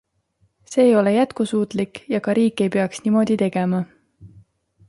See ei ole jätkusuutlik ja ka riik ei peaks niimoodi tegema.